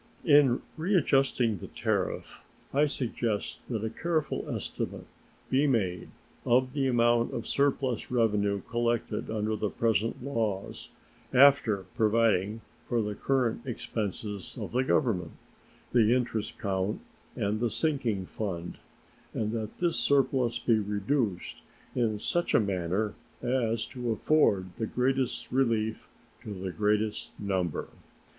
In readjusting the tariff I suggest that a careful estimate be made of the amount of surplus revenue collected under the present laws, after providing for the current expenses of the Government, the interest count, and a sinking fund, and that this surplus be reduced in such a manner as to afford the greatest relief to the greatest number.